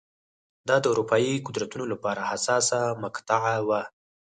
دا د اروپايي قدرتونو لپاره حساسه مقطعه وه.